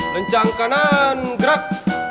rencang kanan gerak